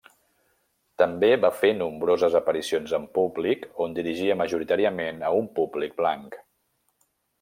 També va fer nombroses aparicions en públic on dirigia majoritàriament a un públic blanc.